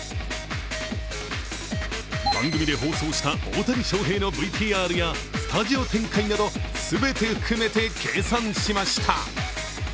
番組で放送した大谷翔平のＶＴＲやスタジオ展開など、全て含めて計算しました。